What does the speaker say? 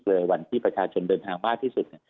หรือวันประชาชนเดินทางมากที่สุด